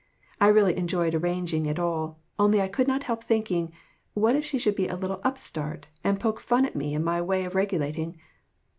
I really enjoyed arranging it all, only I could not help thinking, what if she should be a little upstart, and poke fun at me and my way of regula ting.